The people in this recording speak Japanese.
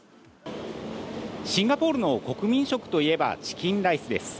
シンガポールの国民食といえば、チキンライスです。